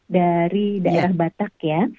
dari daerah batak ya